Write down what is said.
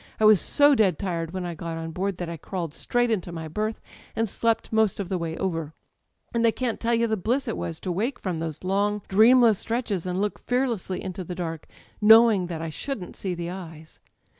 I was so dead tired when I got on board that I crawled straight into my berth, and slept most of the way over; and I can't tell you the bliss it was to wake from those long dreamless stretches and look fearlessly into the dark, knowing that I shouldn't see the eyes